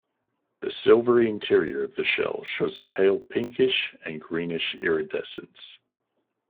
The silvery interior of the shell shows a pale pinkish and greenish iridescence.